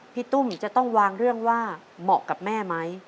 ตุ้มจะต้องวางเรื่องว่าเหมาะกับแม่ไหม